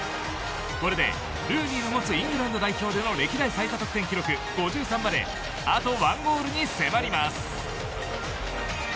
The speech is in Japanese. これでルーニーの持つイングランド代表での歴代最多得点記録５３まであと１ゴールに迫ります。